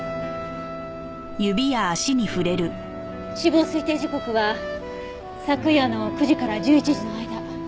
死亡推定時刻は昨夜の９時から１１時の間。